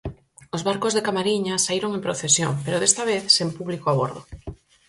Os barcos de Camariñas saíron en procesión, pero desta vez sen público a bordo.